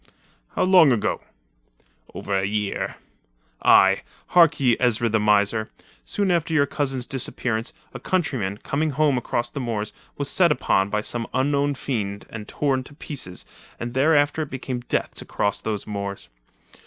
"How long ago?" "Over a year." "Aye. Hark ye, Ezra the miser. Soon after your cousin's disappearance, a countryman, coming home across the moors, was set upon by some unknown fiend and torn to pieces, and thereafter it became death to cross those moors.